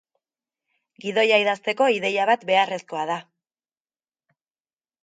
Gidoia idazteko ideia bat beharrezkoa da.